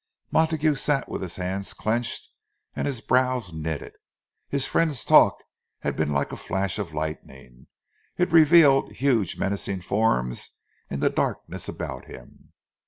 Montague sat with his hands clenched and his brows knitted. His friend's talk had been like a flash of lightning; it revealed huge menacing forms in the darkness about him.